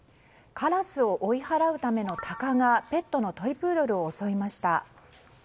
カラスを追い払うためのタカがペットのトイプードルを襲いました。